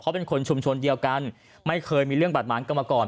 เขาเป็นคนชุมชนเดียวกันไม่เคยมีเรื่องบาดหมางกันมาก่อน